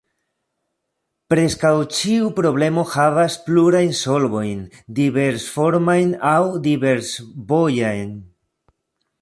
Preskaŭ ĉiu problemo havas plurajn solvojn diversformajn aŭ diversvojajn.